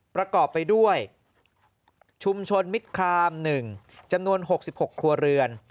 ประกอบไปด้วยชุมชนมิตรคาม๑จำนวน๖๖ครัวเรือน